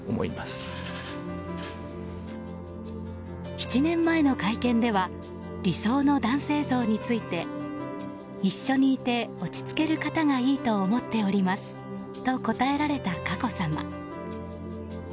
７年前の会見では理想の男性像について一緒にいて落ち着ける方がいいと思っておりますと答えられた佳子さま。